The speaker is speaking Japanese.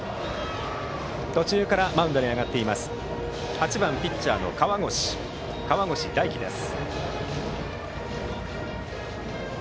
途中からマウンドに上がっている８番ピッチャーの河越大輝です。